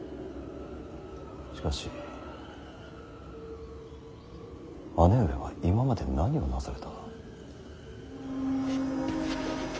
しかし姉上は今まで何をなされた。